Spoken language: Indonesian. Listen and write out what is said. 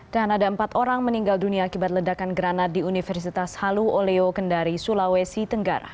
dan ada empat orang meninggal dunia akibat ledakan granat di universitas haluoleo kendari sulawesi tenggara